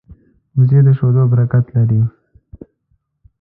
وزې د شیدو برکت لري